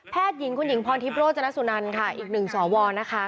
หญิงคุณหญิงพรทิพย์โรจนสุนันค่ะอีกหนึ่งสวนะคะ